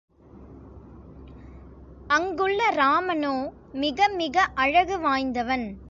அங்குள்ள ராமனோ மிகமிக அழகு வாய்ந்தவன்.